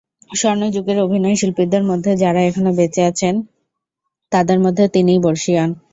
স্বর্ণযুগের অভিনয়শিল্পীদের মধ্যে যারা এখনও বেঁচে আছেন, তাদের মধ্যে তিনিই বর্ষীয়ান।